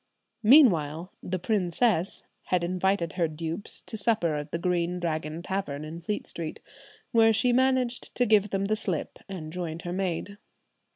Meanwhile the "princess" had invited her dupes to supper at the Green Dragon Tavern in Fleet Street, where she managed to give them the slip and joined her maid.